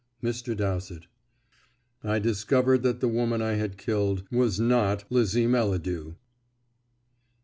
Mr. Dowsett: "I discovered that the woman I had killed was not Lizzie Melladew!"